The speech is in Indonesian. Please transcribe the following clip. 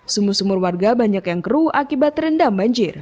sumur sumur warga banyak yang keruh akibat terendam banjir